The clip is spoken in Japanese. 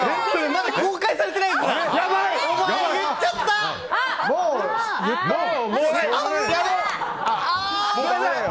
まだ公開されてないんですよ！